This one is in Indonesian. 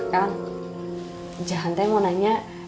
kang jihan teh mau nanya